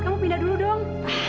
kamu pindah dulu dong